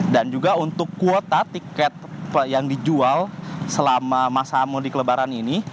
dan juga untuk kuota tiket yang dijual selama masa mudik lebaran ini